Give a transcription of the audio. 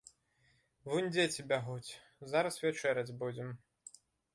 Вунь дзеці бягуць, зараз вячэраць будзем.